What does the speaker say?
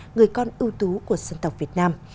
người con ưu tú của dân tộc việt nam